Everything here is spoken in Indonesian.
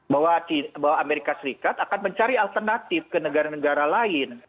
bahwa amerika serikat akan mencari alternatif ke negara negara lain